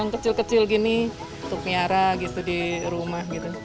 kecil kecil gini untuk miara di rumah